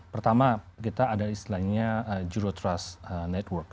pertama kita ada istilahnya zero trust network